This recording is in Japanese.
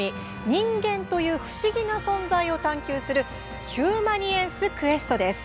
人間という不思議な存在を探求する「ヒューマニエンスＱ」です。